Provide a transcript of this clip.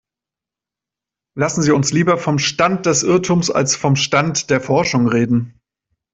Lassen Sie uns lieber vom Stand des Irrtums als vom Stand der Forschung reden.